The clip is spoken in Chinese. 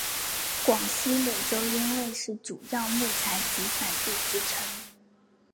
广西柳州因为是主要木材集散地之称。